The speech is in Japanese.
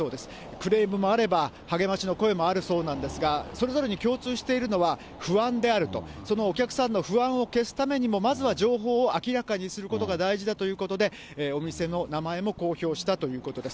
クレームもあれば、励ましの声もあるそうなんですが、それぞれに共通しているのは、不安であると、そのお客さんの不安を消すためにも、まずは情報を明らかにすることが大事だということで、お店の名前も公表したということです。